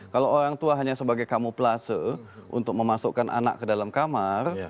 kalau orang tua hanya sebagai kamuplase untuk memasukkan anak ke dalam kamar